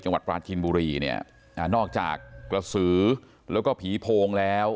จังหวัดปราจินบุรีเนี่ยนอกจากกระสือแล้วก็ผีโพงแล้ว